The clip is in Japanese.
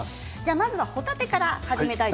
まずはほたてからです。